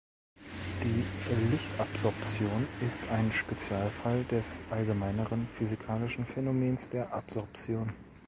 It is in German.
Die Lichtabsorption ist ein Spezialfall des allgemeineren physikalischen Phänomens der Absorption.